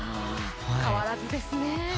変わらずですね。